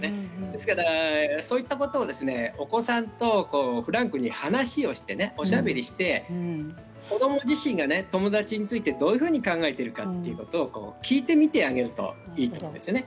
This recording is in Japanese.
ですからそういったことをお子さんとフランクに話をしておしゃべりして子ども自身が友達についてどういうふうに考えているかということを聞いてみてあげるといいと思うんですね。